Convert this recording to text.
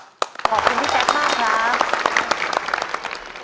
ขอบคุณพี่แจ๊คมากครับ